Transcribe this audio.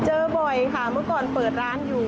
บ่อยค่ะเมื่อก่อนเปิดร้านอยู่